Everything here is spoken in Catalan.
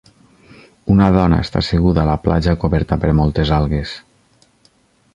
Una dona està asseguda a la platja coberta per moltes algues.